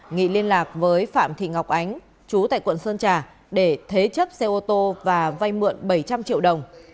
nghị liên lạc với phạm thị ngọc ánh chú tại quận sơn trà để thế chấp xe ô tô và vay mượn bảy trăm linh triệu đồng